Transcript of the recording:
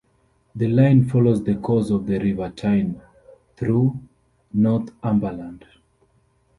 The line follows the course of the River Tyne through Northumberland.